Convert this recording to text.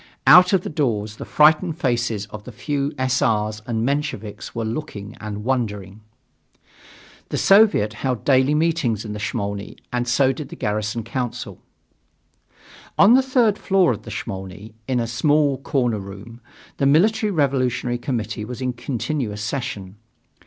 Out of the doors the frightened faces of the few S. R.'s and Mensheviks were looking and wondering. The Soviet held daily meetings in the Smolny and so did the Garrison Council. On the third floor of the Smolny, in a small corner room, the Military Revolutionary Committee was in continuous session.